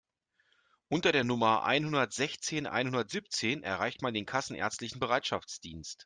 Unter der Nummer einhundertsechzehn einhundertsiebzehn erreicht man den kassenärztlichen Bereitschaftsdienst.